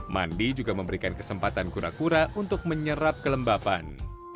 mandi juga memberikan kesempatan kura kura untuk menyerap kelembapan